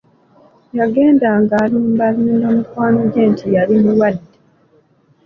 Yagendanga alimbalimba mikwano gye nti yali mulwadde!